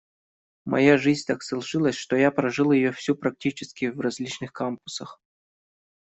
Моя жизнь так сложилась, что я прожил ее всю практически в различных кампусах.